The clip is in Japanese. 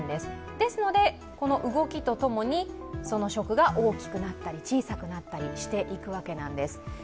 ですので、この動きとともに食が大きくなったり、小さくなったりしていくわけです。